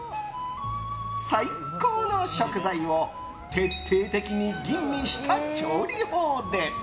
最高の食材を徹底的に吟味した調理法で！